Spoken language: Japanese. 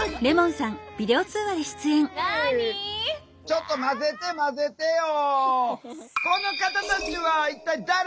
ちょっと交ぜて交ぜてよ。